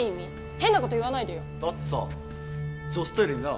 変なこと言わないでよだってさ女子トイレにな